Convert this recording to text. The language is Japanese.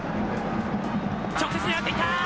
直接狙ってきた。